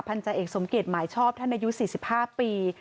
จาเอกสมเกียจหมายชอบท่านอายุ๔๕ปี